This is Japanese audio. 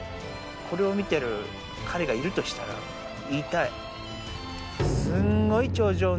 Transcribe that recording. これを見てる彼がいるとしたら、言いたい。